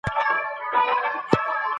د خپلو کړنو پړه پر نورو مه اچوئ.